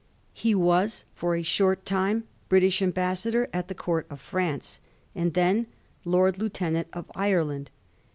He was for a short time British Ambassador at the Court of France^ and then Lord Lieutenant of Ireland.